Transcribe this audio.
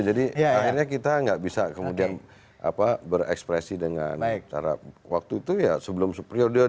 jadi akhirnya kita nggak bisa kemudian berekspresi dengan cara waktu itu ya sebelum sebelumnya